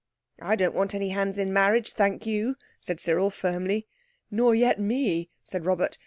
"I don't want any hands in marriage, thank you." said Cyril firmly. "Nor yet me," said Robert.